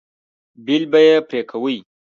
بیل به یې پرې کوئ.